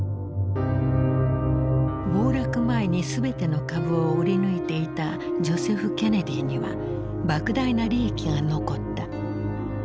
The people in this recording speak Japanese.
暴落前に全ての株を売り抜いていたジョセフ・ケネディにはばく大な利益が残った。